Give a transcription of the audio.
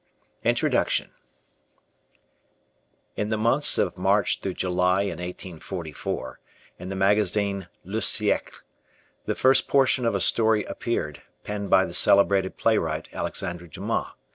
Introduction: In the months of March July in 1844, in the magazine Le Siecle, the first portion of a story appeared, penned by the celebrated playwright Alexandre Dumas.